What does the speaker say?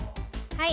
はい。